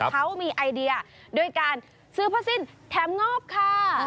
เขามีไอเดียด้วยการซื้อผ้าสิ้นแถมงอบค่ะ